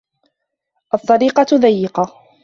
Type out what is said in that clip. الطَّرِيقَةُ ضَيِّقَةٌ.